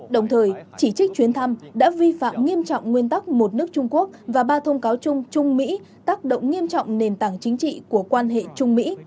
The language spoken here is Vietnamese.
đồng thời chỉ trích chuyến thăm đã vi phạm nghiêm trọng nguyên tắc một nước trung quốc và ba thông cáo chung trung mỹ tác động nghiêm trọng nền tảng chính trị của quan hệ trung mỹ